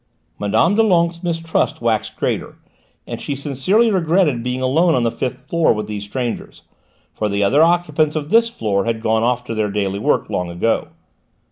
Mme. Doulenques' mistrust waxed greater, and she sincerely regretted being alone on the fifth floor with these strangers, for the other occupants of this floor had gone off to their daily work long ago.